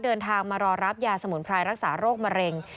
เดินทางมารอรับยาสมุนไพรรักษาโรคมะเร็ง